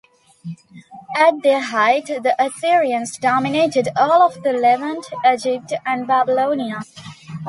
At their height, the Assyrians dominated all of the Levant, Egypt, and Babylonia.